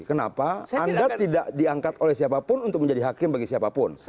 kenapa anda tidak diangkat oleh siapapun untuk menjadi hakim bagi siapapun